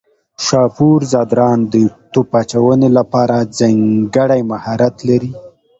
شاپور ځدراڼ د توپ اچونې لپاره ځانګړی مهارت لري.